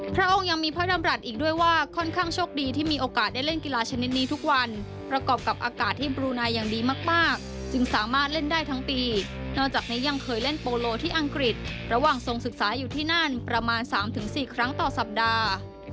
พระองค์ยังมีพระดำรัฐอีกด้วยว่าค่อนข้างโชคดีที่มีโอกาสได้เล่นกีฬาชนิดนี้ทุกวันประกอบกับอากาศที่บลูนายอย่างดีมากจึงสามารถเล่นได้ทั้งปีนอกจากนี้ยังเคยเล่นโปโลที่อังกฤษระหว่างทรงศึกษาอยู่ที่นั่นประมาณ๓๔ครั้งต่อสัปดาห์